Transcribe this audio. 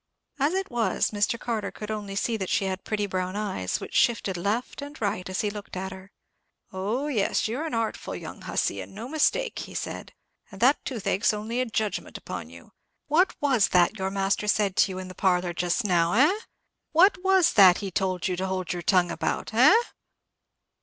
As it was, Mr. Carter could only see that she had pretty brown eyes, which shifted left and right as he looked at her. "Oh, yes, you're an artful young hussy, and no mistake," he said; "and that toothache's only a judgment upon you. What was that your master said to you in the parlour just now, eh? What was that he told you to hold your tongue about, eh?"